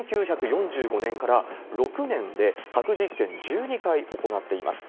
１９４５年から６年で、核実験１２回行っています。